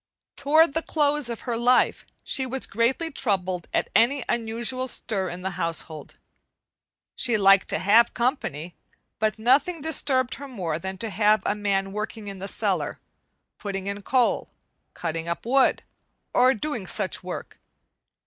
Toward the close of her life she was greatly troubled at any unusual stir in the household. She liked to have company, but nothing disturbed her more than to have a man working in the cellar, putting in coal, cutting wood, or doing such work.